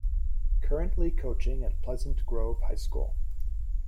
Currently coaching at Pleasant Grove High School.